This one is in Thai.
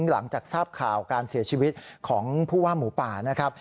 หลังจากทราบข่าวการเสียชีวิตของผู้ว่าหมูป่านะครับ